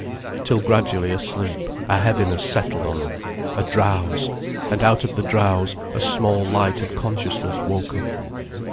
Till gradually a sleep, a heaviness settled on them, a drowse, and out of the drowse, a small light of consciousness woke up.